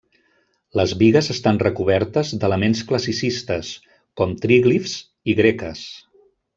Les bigues estan recobertes d'elements classicistes, com tríglifs i greques.